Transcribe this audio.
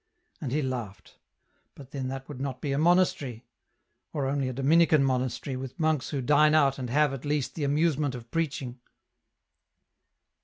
And he laughed ; but then that would not be a monastery ! or only a Dominican monastery, with monks who dine out, and have, at least, the amusement of preaching.